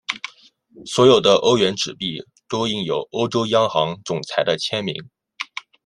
所有的欧元纸币都印有欧洲央行总裁的签名。